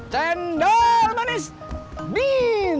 cendol manis dingin